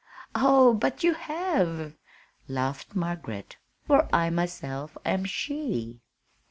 "Oh, but you have," laughed Margaret, "for I myself am she."